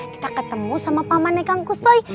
kita ketemu sama pamane kang kushoi